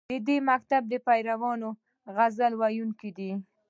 د دې مکتب پیروان غزل ویونکي دي